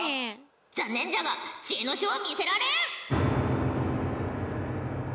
残念じゃが知恵の書は見せられん！